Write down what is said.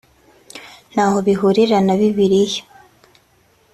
naho bihurira na Bibiliya